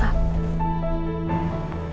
aku harus temuin kak nessa